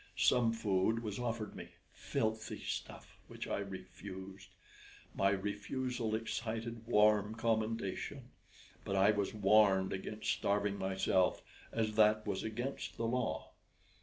Some food was offered me filthy stuff, which I refused. My refusal excited warm commendation; but I was warned against starving myself, as that was against the law.